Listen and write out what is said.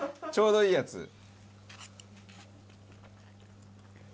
ちょうどいいやつ。